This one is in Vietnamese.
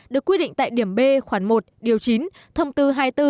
được quy định tại điểm b khoảng một điều chín thông tư hai mươi bốn